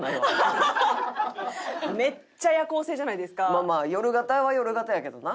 まあまあ夜型は夜型やけどな。